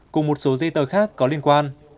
cùng một số giấy tờ khác có liên quan